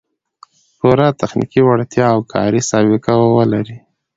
پوره تخنیکي وړتیا او کاري سابقه و لري